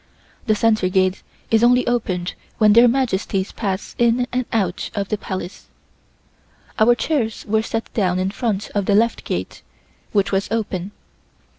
The center gate is only opened when their Majesties pass in and out of the Palace. Our chairs were set down in front of the left gate, which was open.